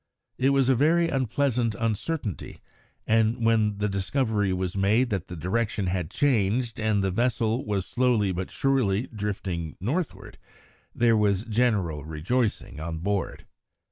It was a very unpleasant uncertainty, and when the discovery was made that the direction had changed and the vessel was slowly but surely drifting northward, there was general rejoicing on board.